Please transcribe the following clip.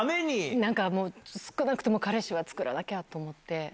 なんかもう、少なくとも彼氏は作らなきゃって思って。